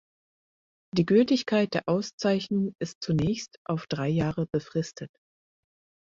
Die Gültigkeit der Auszeichnung ist zunächst auf drei Jahre befristet.